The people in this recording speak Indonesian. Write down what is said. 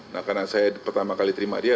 nah karena saya pertama kali terima dia